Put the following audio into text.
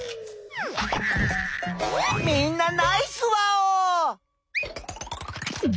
みんなナイスワオー！